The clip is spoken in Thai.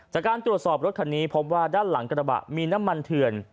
จากการตรวจสอบรถคันนี้พบว่าด้านหลังกระบะมีน้ำมันเถื่อน